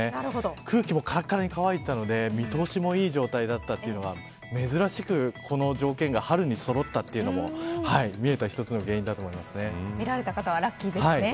空気も、からからに乾いていたので見通しもいい状態だったというのは珍しくこの条件が春にそろったのも見えた一つの原因だと思います。